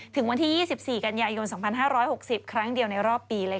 ถึงวันที่๒๔กันยายน๒๕๖๐ครั้งเดียวในรอบปีเลย